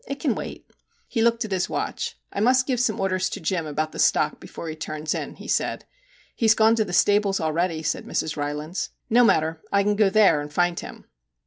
It can wait.' He looked at his watch. ' I must give some orders to Jim about the stock before he turns in,' he said. 'He's gone to the stables already,' said Mrs. Rylands. ' No matter I can go there and find him.'